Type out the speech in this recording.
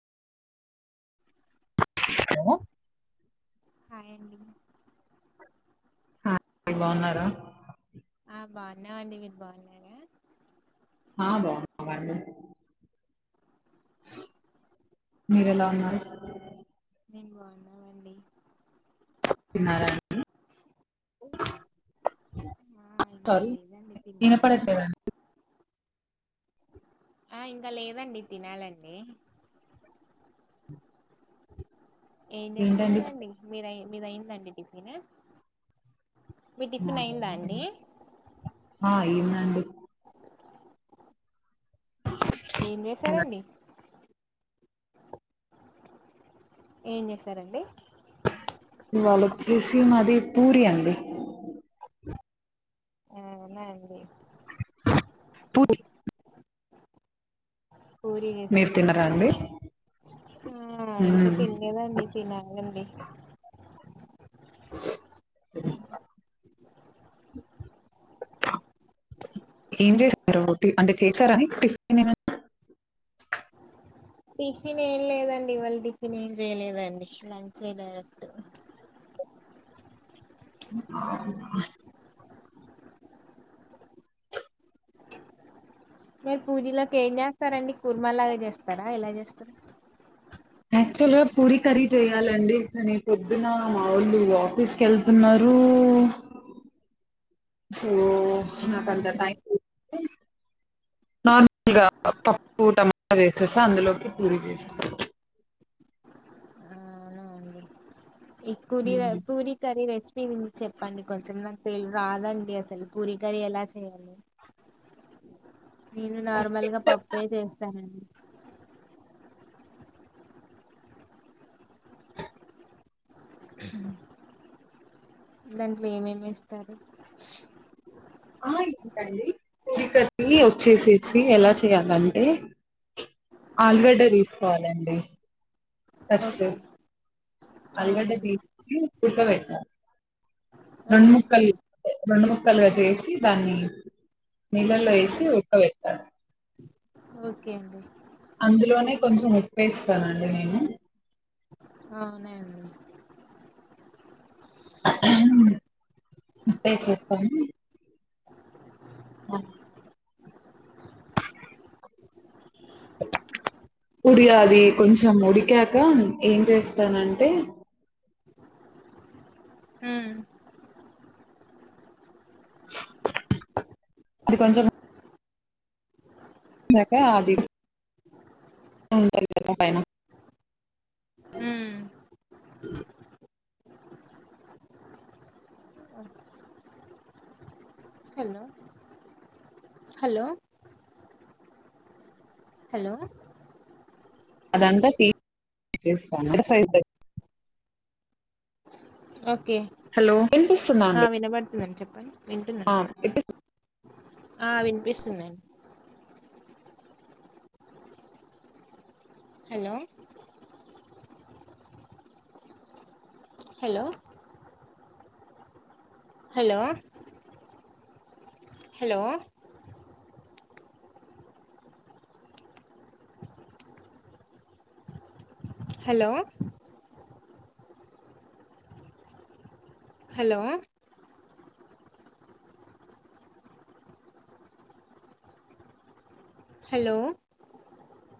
Hello hi అండి hi అండి బాగున్నారా బావున్నా మండి మీరు బాగున్నారా హా బావున్నాం అండి మీరెలా ఉన్నారు మేము బావున్నామండి తిన్నార ఆ ఇంకా తరు లేదండి తినాలండి ఇనపడట్లేదం ఆ ఇంకా లేదండి తినాలండి ఏం ఏంటండి చేస్తున్నారండి ఆ మీర మీదయిందండి టిఫిను మీ టిఫిన్ అయిందా అండి బాగున్నానండి. ఆ, ఏందండి అ ఏం చేసారండి ఏం చేశారండి ఇవాళ వచ్చేసి మాది పూరి అండి ఆ అవునా అండి పూరి [inaudible] పూరి మీరు చేసార తిన్నరా అండి ఆ ఇంకా మ్మ్ తినేలేదండి తినాలండి [inaudible] ఎంది రోటి అంటే చేసారాని టిఫిన్ గాని ఏమన్న టిఫిన్ ఏం లేదండి ఇవాళ టిఫిన్ ఏం చేయలేదండి లంచే డైరెక్ట్ [inaudible] [inaudible] మీరు పూరిలోకి ఏం చేస్తారండి కుర్మలాగా చేస్తారా ఎలా చేస్తారు యాక్చువల్గా పూరి కర్రీ చేయ్యాలండి కానీ పొద్దున మావోళ్ళు ఆఫీస్కి ఎళ్తున్నారు సో నాకంత ఉమ్ టైమ్ పప్పు టమామా చేసేసి అందులోకి పూరి చేసేసి ఇ కూర్వివే పూరి కర్రి నే మీరు చెప్పండి కొంచెం నా పె రాదండి అసలు పూరి కర్రి ఎలా చేయాలి నేను నార్మల్ గా పప్పే చేస్తానండి దాంట్లో ఏమేమి వేస్తారు ఆ ఏంటండి పూరి కర్రి వచ్చేసేసి ఎలా చేయాలండి ఆలుగడ్డ తీసుకోవాలండి ఫస్టు ఓకే అలుగడ్డ అవునండి తీసుకొని ఉడకబెట్టాలి రెండు ఓకే ముక్కల్ రెండు ముక్కలుగా చేసి దాన్ని నీళ్ళల్లో వేసి ఉక్కబెట్టాలి ఓకే అండి అందులోనే కొంచెం ఉప్పేస్తానండి నేను అవునండి ఉప్పు ఎసెస్కొని అ ఉడి ఆది కొంచెం ఉడికాక ఏం చేస్తానంటే హ్మ్ అది కొంచెం ఎక అది ఉంటది కద పైన అ ఉమ్ హలో హలో హలో అదంతా తీసుకోం ఓకే హలో వినిపిస్తుందా అ అండి వినబడుతుందండి చెప్ ఆ ఇప్ ఆ వినిపిస్తుందండి hello hello hello hello hello hello hello